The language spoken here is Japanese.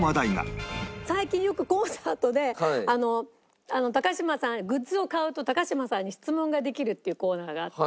最近よくコンサートで高嶋さんグッズを買うと高嶋さんに質問ができるっていうコーナーがあって。